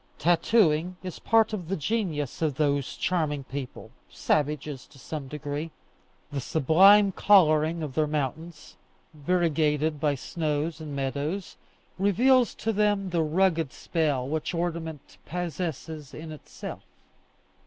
Tattooing is part of the genius of those charming people, savages to some degree. The sublime colouring of their mountains, variegated by snows and meadows, reveals to them the rugged spell which ornament possesses in itself.